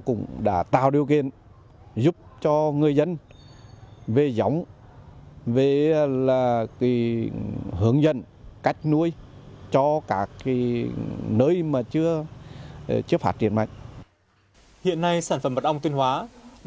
cũng đã thành lập nhiều cơ lộc bộ tham gia vào hợp tác để giúp đỡ nhau